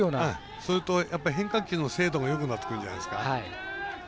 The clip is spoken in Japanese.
それと変化球の精度もよくなってくるんじゃないですか。